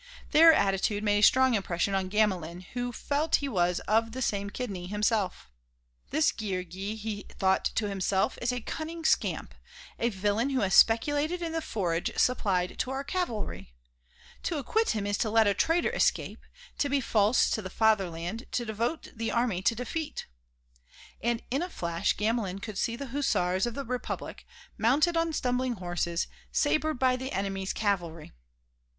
Their attitude made a strong impression on Gamelin who felt he was of the same kidney himself. "This Guillergues," he thought to himself, "is a cunning scamp, a villain who has speculated in the forage supplied to our cavalry. To acquit him is to let a traitor escape, to be false to the fatherland, to devote the army to defeat." And in a flash Gamelin could see the Hussars of the Republic, mounted on stumbling horses, sabred by the enemy's cavalry....